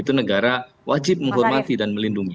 itu negara wajib menghormati dan melindungi